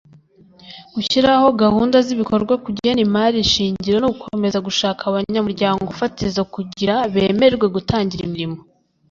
Gushyiraho gahunda z’ ibikorwa kugena imari shingiro no gukomeza gushaka abanyamuryango fatizo kugira bemererwe gutangira imirimo.